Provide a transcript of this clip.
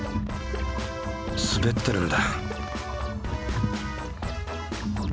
すべってるんだ。